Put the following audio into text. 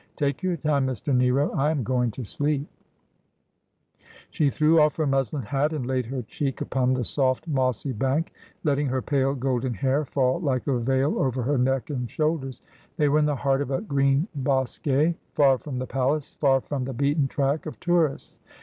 ' Take your time, Mr. Nero. I am going to sleep.' ' And Volatile, as ay was His Usage.' 35 She threw off her muslin hat, and laid her cheek upon the soft mossy bank, letting her pale golden hair fall like a veil over her neck and shoulders. They were in the heart of a green hosquet, far from the palace, far from the beaten track of tourists.